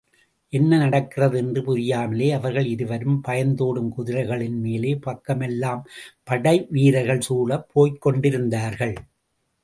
என்ன நடக்கிறது என்று புரியாமலே அவர்கள் இருவரும், பாய்ந்தோடும் குதிரைகளின் மேலே, பக்கமெல்லாம் படைவீரர்கள் சூழப் போய்க் கொண்டிருந்தார்கள்.